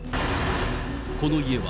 この家は、